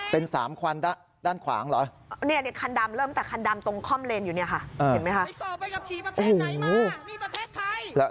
เป็นสามควันด้านขวางเหรอเนี่ยคันดำเริ่มแต่คันดำตรงค่อมเลนอยู่เนี่ยค่ะเห็นไหมคะ